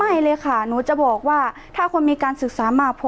ไม่เลยค่ะหนูจะบอกว่าถ้าคนมีการศึกษามากพอ